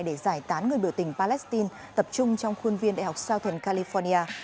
để giải tán người biểu tình palestine tập trung trong khuôn viên đại học southern california